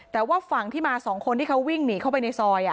แต่ว่าฝั่งที่มา๒คนที่เขาวิ่งหนีเข้าไปในซอย